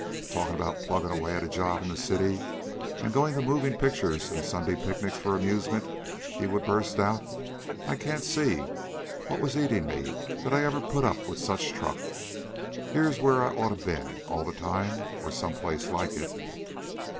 "Talk about pluggin' away at a job in the city, an' goin' to movie' pictures and Sunday picnics for amusement!" he would burst out. "I can't see what was eatin' me that I ever put up with such truck. Here's where I oughta ben all the time, or some place like it."